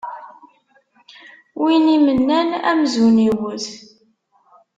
Win imennan amzun iwwet.